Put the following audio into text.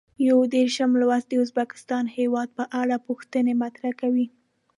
یو دېرشم لوست د ازبکستان هېواد په اړه پوښتنې مطرح کوي.